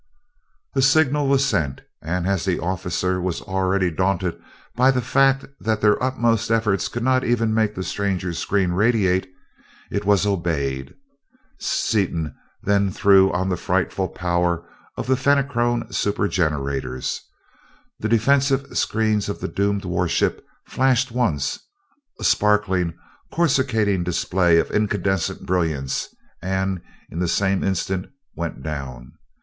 The signal was sent, and, as the officer was already daunted by the fact that their utmost efforts could not even make the strangers' screens radiate, it was obeyed. Seaton then threw on the frightful power of the Fenachrone super generators. The defensive screens of the doomed warship flashed once a sparkling, coruscating display of incandescent brilliance and in the same instant went down.